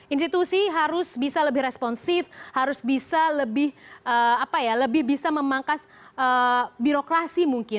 institusi harus bisa lebih responsif harus bisa lebih apa ya lebih bisa memangkas birokrasi